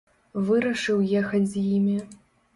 Вырашыў ехаць з імі.